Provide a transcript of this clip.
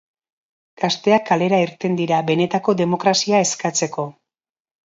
Gazteak kalera irten dira, benetako demokrazia eskatzeko.